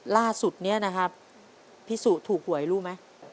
ล่าสุดนี้นะครับพี่สุถูกหวยรู้ไหม